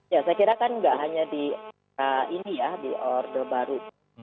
ya saya kira kan nggak hanya di orde baru